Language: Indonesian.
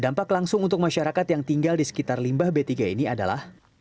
dampak langsung untuk masyarakat yang tinggal di sekitar limbah b tiga ini adalah